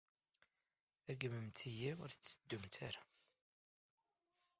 Ṛeggmemt-iyi ur tent-tettadumt ara.